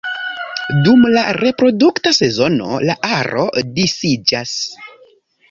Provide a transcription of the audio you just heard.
Dum la reprodukta sezono la aro disiĝas.